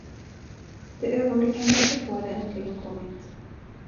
Det ögonblick, han väntat på, hade äntligen kommit.